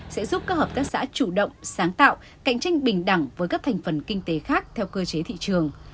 sẽ giúp các hợp tác xã chủ động sáng tạo cạnh tranh bình đẳng với các thành phần kinh tế khác theo cơ chế thị trường